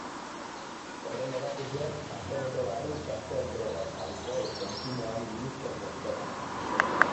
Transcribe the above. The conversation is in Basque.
Horren erakusle, aste bete barru gazteen droga eta alkohol kontsumoari buruzko txostena.